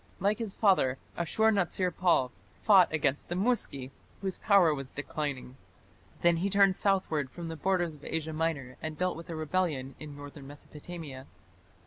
Like his father, Ashur natsir pal fought against the Muski, whose power was declining. Then he turned southward from the borders of Asia Minor and dealt with a rebellion in northern Mesopotamia.